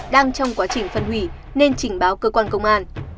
đang trong quá trình phân hủy nên trình báo cơ quan công an